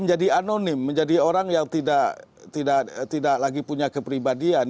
menjadi anonim menjadi orang yang tidak lagi punya kepribadian